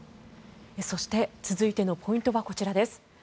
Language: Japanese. そして続いてのポイントはこちらです。